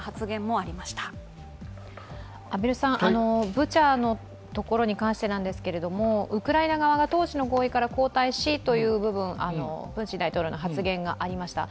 ブチャに関してなんですけれども、ウクライナ側が当時の合意から後退しとプーチン大統領の発言がありました。